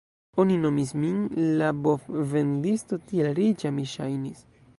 Oni nomis min la bovvendisto, tiel riĉa mi ŝajnis!